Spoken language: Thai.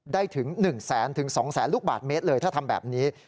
ถึง๑แสนถึง๒๐๐ลูกบาทเมตรเลยถ้าทำแบบนี้